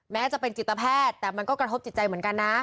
แม้จะเป็นจิตแพทย์แต่มันก็กระทบจิตใจเหมือนกันนะ